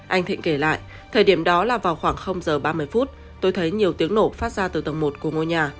anh thịnh kể lại thời điểm đó là vào khoảng giờ ba mươi phút tôi thấy nhiều tiếng nổ phát ra từ tầng một của ngôi nhà